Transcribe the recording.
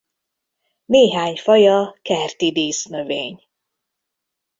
Néhány faja kerti dísznövény.